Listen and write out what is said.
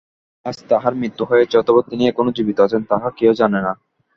আজ তাঁহার মৃত্যু হইয়াছে অথবা তিনি এখনও জীবিত আছেন, তাহা কেহই জানে না।